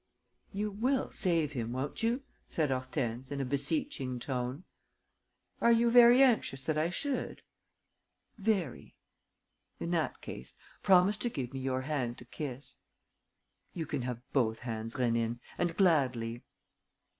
"You will save him, won't you?" said Hortense, in a beseeching tone. "Are you very anxious that I should?" "Very." "In that case, promise to give me your hand to kiss." "You can have both hands, Rénine, and gladly."